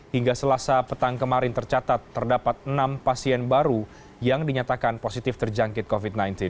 hingga selasa petang kemarin tercatat terdapat enam pasien baru yang dinyatakan positif terjangkit covid sembilan belas